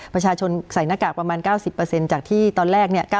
ประชาชนใส่หน้ากากประมาณ๙๐จากที่ตอนแรก